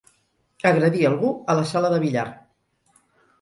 Agredir algú a la sala de billar.